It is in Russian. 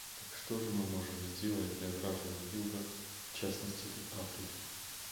Так что же мы можем сделать для граждан Юга, в частности для Африки?